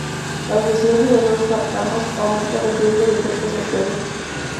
La asociación de los dos fármacos aumenta los riesgos de efectos adversos.